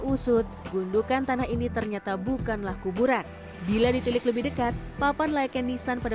usut gundukan tanah ini ternyata bukanlah kuburan bila ditilik lebih dekat papan layaknya nisan pada